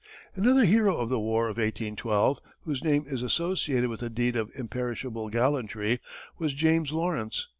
Another hero of the war of 1812, whose name is associated with a deed of imperishable gallantry, was James Lawrence.